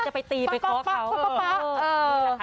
จะไปตีไปก้อเขา